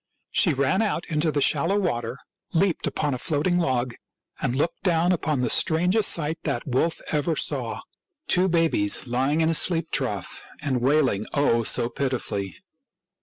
She ran out into the shallow water, leaped upon a floating log, and looked down upon the strangest sight that wolf ever saw — two babies lying in a sheep trough and wailing, oh, so pitifully